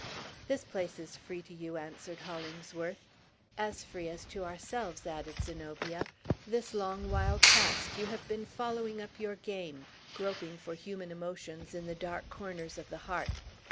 "This place is free to you," answered Hollingsworth. "As free as to ourselves," added Zenobia. "This long while past, you have been following up your game, groping for human emotions in the dark corners of the heart.